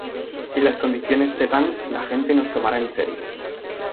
Si las condiciones se dan la gente nos tomará en serio"".